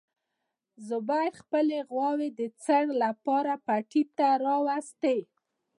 زبیر خپلې غواوې د څړ لپاره پټي ته راوستې.